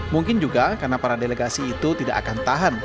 mungkin juga karena para delegasi itu tidak akan tahan